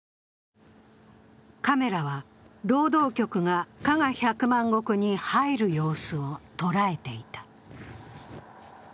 カメラは労働局が加賀百万石に入る様子を捉えていた。